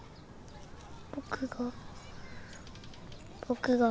僕が。